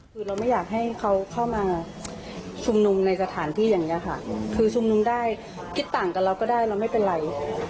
คือเราไม่อยากให้เขาเข้ามาชุมนุมในสถานที่อย่างนี้ค่ะคือชุมนุมได้คิดต่างกับเราก็ได้เราไม่เป็นไร